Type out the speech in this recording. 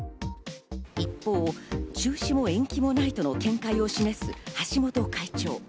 一方、中止も延期もないとの見解を示す橋本会長。